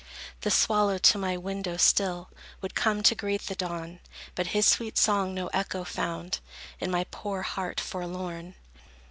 The swallow to my window, still, Would come, to greet the dawn; But his sweet song no echo found In my poor heart, forlorn.